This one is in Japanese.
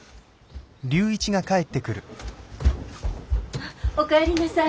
あっおかえりなさい。